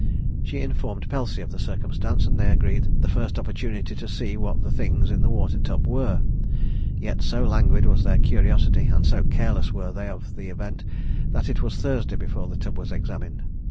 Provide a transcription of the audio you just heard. She informed Pelsey of the circumstance, and they agreed the first opportunity to see what the things in the water tub were; yet so languid was their curiosity, and so careless were they of the event, that it was Thursday before the tub was examined.